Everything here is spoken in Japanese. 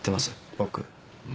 僕。